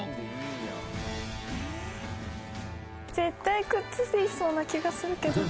絶対くっつきそうな気がするけど。